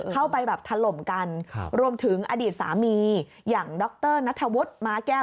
เข้าไปแบบถล่มกันรวมถึงอดีตสามีอย่างดรนัทธวุฒิม้าแก้ว